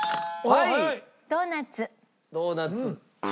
はい。